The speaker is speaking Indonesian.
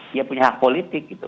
dia punya hak politik